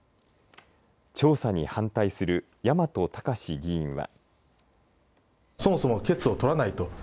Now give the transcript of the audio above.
調査に反対する山戸孝議員は。